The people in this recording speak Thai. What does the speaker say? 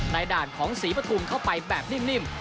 ในด่านของสีประทุมเข้าไปแบบนิ่ม